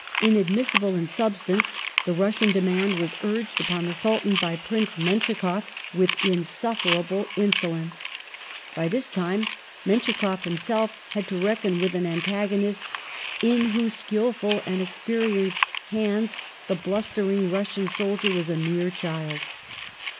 Inadmissible in substance, the Russian demand was urged upon the Sultan by Prince Menschikoff with insufferable insolence. By this time Menschikoff himself had to reckon with an antagonist in whose skilful and experienced hands the blustering Russian soldier was a mere child.